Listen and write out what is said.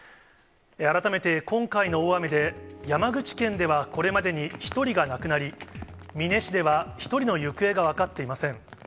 改めて今回の大雨で、山口県ではこれまでに１人が亡くなり、美祢市では１人の行方が分かっていません。